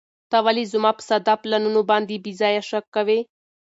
ته ولې زما په ساده پلانونو باندې بې ځایه شک کوې؟